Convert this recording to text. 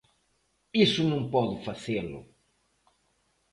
Iso non podo facelo.